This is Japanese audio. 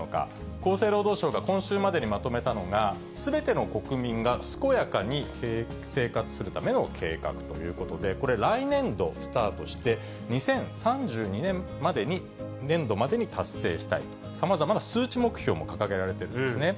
厚生労働省が今週までにまとめたのが、すべての国民が健やかに生活するための計画ということで、これ、来年度スタートして、２０３２年度までに達成したいと、さまざまな数値目標も掲げられているんですね。